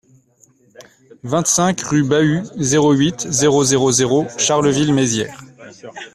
vingt-cinq rue Bahut, zéro huit, zéro zéro zéro Charleville-Mézières